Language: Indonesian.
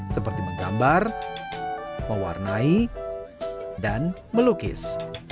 seperti menggambar mewarnai dan melukis